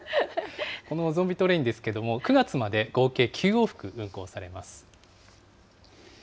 このゾンビトレインですけれども、９月まで合計９往復運行されます。